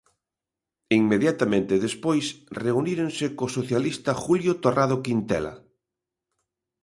Inmediatamente despois reuníronse co socialista Julio Torrado Quintela.